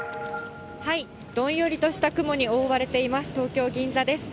どんよりとした雲に覆われています、東京・銀座です。